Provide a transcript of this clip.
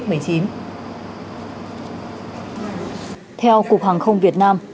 theo cục hàng không việt nam